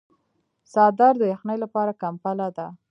څادر د یخنۍ لپاره کمپله ده.